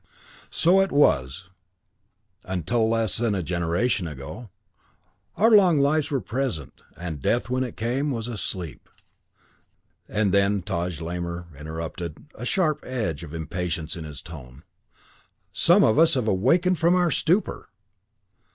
So it was until less than a generation ago. Our long lives were pleasant, and death, when it came, was a sleep. And then " "And then," Taj Lamor interrupted, a sharp edge of impatience in his tone, "some of us awakened from our stupor!"